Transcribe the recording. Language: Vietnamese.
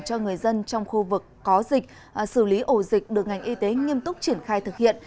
cho người dân trong khu vực có dịch xử lý ổ dịch được ngành y tế nghiêm túc triển khai thực hiện